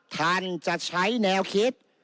ท่านจะใช้แนวคิด